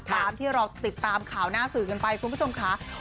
ตามที่เราติดตามข่าวหน้าสื่อกันไปคุณผู้ชมค่ะ